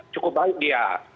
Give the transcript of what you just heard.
cukup baik dia